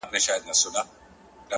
ه شعر كي دي زمـــا اوربــل دی،